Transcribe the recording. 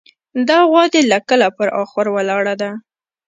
دا غوا دې له کله پر اخور ولاړه ده.